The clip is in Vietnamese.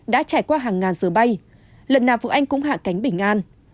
đã trải qua hàng ngàn giờ bay lần nào phụ anh cũng hạ cánh bình an